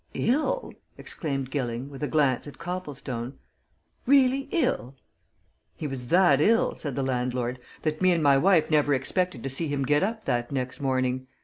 "Ill!" exclaimed Gilling, with a glance at Copplestone. "Really ill!" "He was that ill," said the landlord, "that me and my wife never expected to see him get up that next morning.